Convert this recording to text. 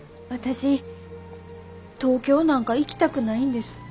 私東京なんか行きたくないんです。